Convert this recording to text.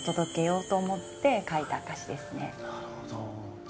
なるほど。